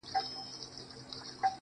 نه به يې موټر ته غړومبهاري والا سلنګسران